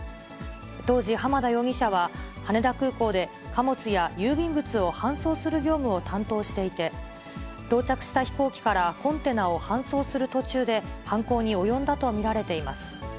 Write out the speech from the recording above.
当時、浜田容疑者は、羽田空港で貨物や郵便物を搬送する業務を担当していて、到着した飛行機からコンテナを搬送する途中で、犯行に及んだと見られています。